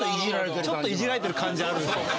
ちょっとイジられてる感じあるんですよ。